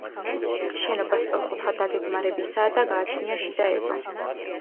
შენობა სწორკუთხა დაგეგმარებისაა და გააჩნია შიდა ეზო.